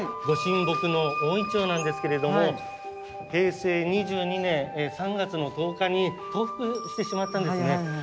御神木の大銀杏なんですけれども平成２２年３月の１０日に倒伏してしまったんですね。